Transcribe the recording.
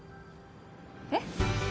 えっ？